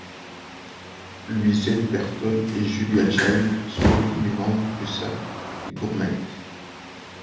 Louisette Bertholle et Julia Child sont devenues membres du Cercle des Gourmettes.